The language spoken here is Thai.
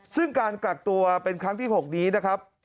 ซึ่งการกักตัวเป็นครั้งที่๖นี้นะครับ